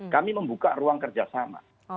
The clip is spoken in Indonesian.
kami membuka ruang kerjasama